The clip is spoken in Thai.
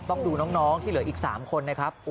ต้องดูน้องที่เหลืออีก๓คนนะครับ